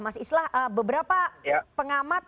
mas islah beberapa pengamat